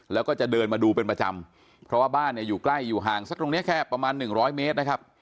แล้วก็จะเดินมาดูเป็นประจำเพราะว่าบ้านเนี่ยอยู่ใกล้อยู่ห่างสักตรงนี้แค่ประมาณหนึ่งร้อยเมตรนะครับ